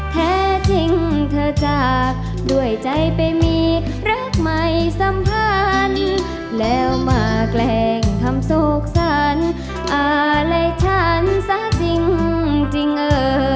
แท้จริงเธอจากด้วยใจไปมีรักใหม่สัมพันธ์แล้วมาแกล้งทำโศกสรรอะไรฉันซะจริงเออ